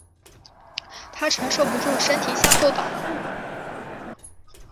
她承受不住身体向后倒